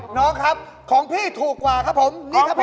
น้องครับของพี่ถูกกว่าครับผมนี่ครับผม